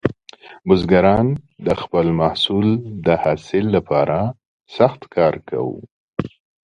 بزګران د خپل محصول د حاصل لپاره سخت کار کاوه.